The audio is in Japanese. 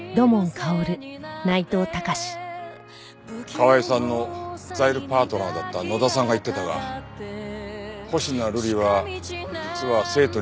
河合さんのザイルパートナーだった野田さんが言ってたが星名瑠璃は実は生徒に人気の先生だったらしい。